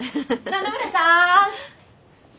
野々村さん！